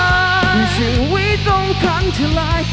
ที่ชีวิตต้องกังเฉลาย